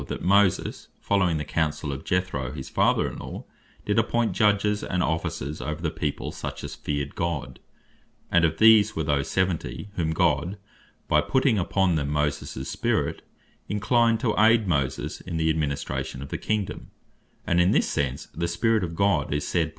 that Moses following the counsell of Jethro his Father in law, did appoint Judges, and Officers over the people, such as feared God; and of these, were those Seventy, whom God by putting upon them Moses spirit, inclined to aid Moses in the Administration of the Kingdome: and in this sense the Spirit of God is said (1 Sam.